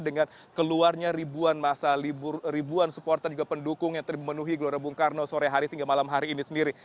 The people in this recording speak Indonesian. dengan keluarnya ribuan masa libur ribuan supporter juga pendukung yang terpenuhi gelora bung karno sore hari hingga malam hari ini sendiri